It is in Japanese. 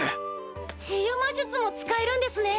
治癒魔術も使えるんですね！